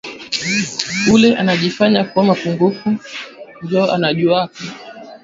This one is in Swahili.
Ule anajifanyaka kuwa mupumbafu njo anajuwaka